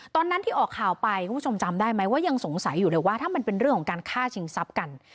ตอนนั้นที่ออกข่าวไปคุณผู้ชมจำได้ไหมว่ายังสงสัยอยู่เลยว่าถ้ามันเป็นเรื่องของการฆ่าชิงทรัพย์กัน